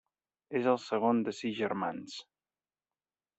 És el segon de sis germans.